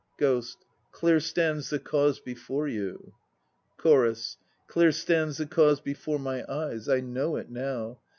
GHOST. Clear stands the cause before you. CHORUS. Clear stands the cause before my eyes; I know it now.